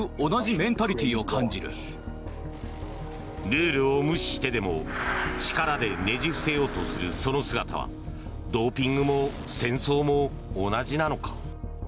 ルールを無視してでも力でねじ伏せようとする姿はドーピングも戦争も同じなのか。